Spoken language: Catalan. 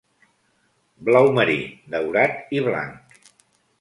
Blau marí, daurat i blanc.